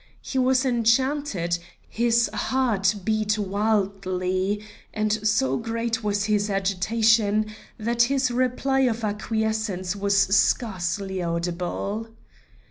He was enchanted, his heart beat wildly, and so great was his agitation that his reply of acquiescence was scarcely audible.